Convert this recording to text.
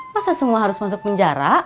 masa semua harus masuk penjara